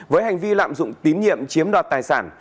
với hành vi lạm dụng tín nhiệm chiếm đoạt tài sản